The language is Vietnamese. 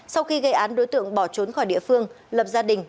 sau khi gây án đối tượng bỏ trốn khỏi địa phương lập gia đình